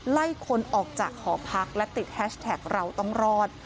ไล่คนออกจากหอพักและติดแฮชแท็กเราต้องรอด